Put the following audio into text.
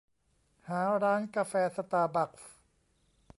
หาร้านกาแฟสตาร์บักส์